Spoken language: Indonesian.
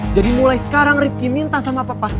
jadi mulai sekarang rizky minta sama papa